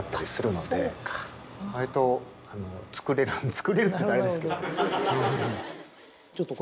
作れるって言うとあれですけど。